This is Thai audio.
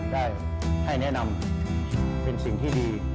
ได้ให้แนะนำเป็นสิ่งที่ดี